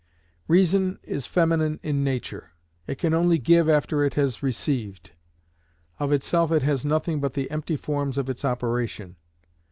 Reason is feminine in nature; it can only give after it has received. Of itself it has nothing but the empty forms of its operation.